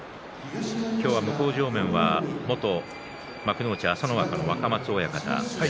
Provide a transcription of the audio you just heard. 今日の向正面は元幕内朝乃若の若松親方です。